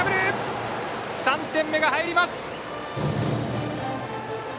３点目が入ります！